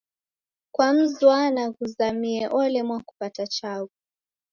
Kwa mzwana ghuzamie, olemwa kupata chaghu.